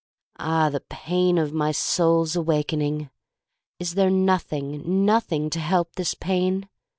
Ah, the pain of my soul's awakening! Is there nothing, nothing to help this pain?